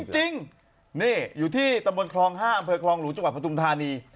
จริงนี่อยู่ที่ตะบนคลอง๕อำเภอคลองหลวงจังหวัดปทุมธานี